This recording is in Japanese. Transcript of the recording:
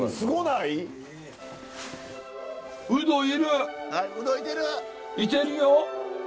いてるよ！